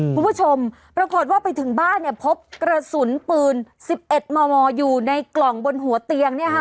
คุณผู้ชมปรากฏว่าไปถึงบ้านเนี่ยพบกระสุนปืน๑๑มมอยู่ในกล่องบนหัวเตียงเนี่ยค่ะ